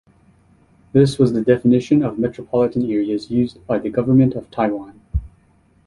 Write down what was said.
This was the definition of metropolitan areas used by the government of Taiwan.